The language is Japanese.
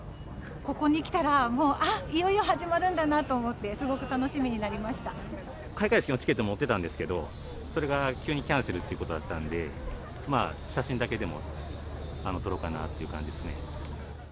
ここに来たら、もう、あっ、いよいよ始まるんだなと思って、開会式のチケット持ってたんですけど、それが急にキャンセルということだったので、写真だけでも撮ろうかなっていう感じですね。